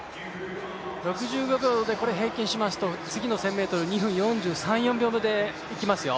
６５秒で平均しますと、次の１０００ｍ２分３４秒でいきますよ。